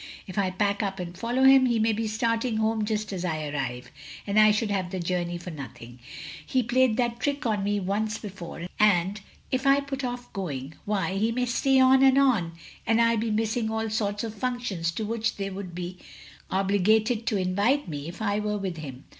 If I pack up and follow him, he may be starting home just as I arrive; and I should have the journey for nothing; he played that trick on me once before; and if I put off going, why, he may stay on and on, and I be missing all sorts of functions to which they would be obligated to invite me if I were with him.